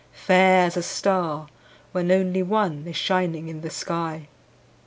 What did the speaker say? –Fair as a star, when only one Is shining in the sky.